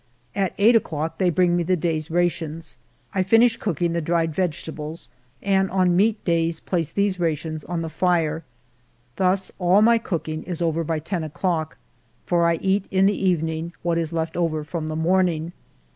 At eight o'clock they bring me the day's rations. I finish cooking the dried vegetables, and on meat days place these rations on the fire. Thus all my cooking is over by ten o'clock, for I eat in the evening what is left over from the morning.